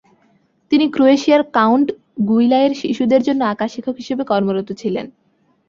তিনি ক্রোয়েশিয়ার কাউন্ট গুইলাইয়ের শিশুদের জন্য আঁকার শিক্ষক হিসেবে কর্মরত ছিলেন।